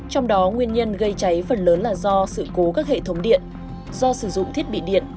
trong đó nguyên nhân gây cháy phần lớn là do sự cố các hệ thống điện do sử dụng thiết bị điện